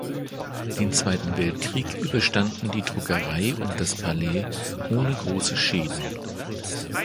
Den Zweiten Weltkrieg überstanden die Druckerei und das Palais ohne große Schäden.